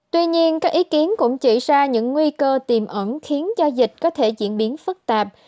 tuy nhiên các ý kiến cũng chỉ ra những nguy cơ tiềm ẩn khiến cho dịch có thể diễn biến phức tạp